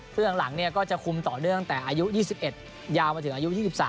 ซึ่งหลังเนี่ยก็จะคุมต่อด้วยตั้งแต่อายุ๒๑ยาวมาถึงอายุ๒๓